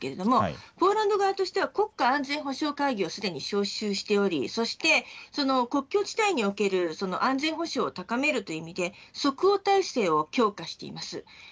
ポーランド側としては国家安全保障会議をすでに招集しており国境地帯における安全保障を高めるという意味で即応態勢を強化しています。